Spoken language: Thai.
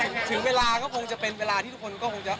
ถึงเวลาก็คงจะเป็นเวลาที่ทุกคนก็คงจะ